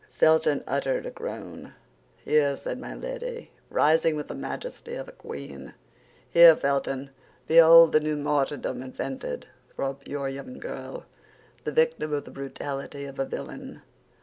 Felton uttered a groan. "Here," said Milady, rising with the majesty of a queen, "here, Felton, behold the new martyrdom invented for a pure young girl, the victim of the brutality of a villain.